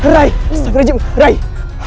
rai astagfirullahaladzim rai